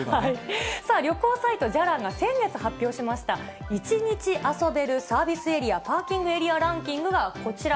旅行サイト、じゃらんが先月発表しました、１日遊べるサービスエリア・パーキングエリアランキングがこちら。